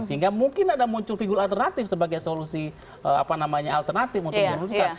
sehingga mungkin ada muncul figur alternatif sebagai solusi apa namanya alternatif untuk menurut saya